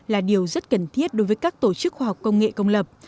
là điều rất cần thiết đối với các tổ chức khoa học công nghệ công lập